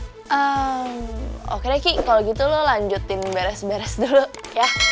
ehm oke deh ki kalo gitu lo lanjutin beres beres dulu ya